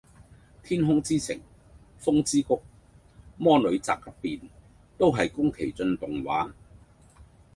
天空之城，風之谷，魔女宅急便，都係宮崎駿動畫